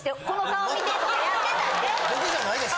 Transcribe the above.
僕じゃないです。